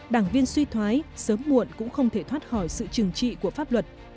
đảng viên suy thoái sớm muộn cũng không thể thoát khỏi sự trừng trị của pháp luật